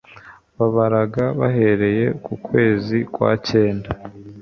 Babaraga bahereye ku kwezi kwa cyenda